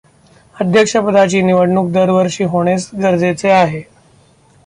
अध्यक्षपदाची निवडणूक दरवर्षी होणे गरजेचे आहे.